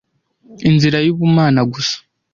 Inzira yubumana gusa!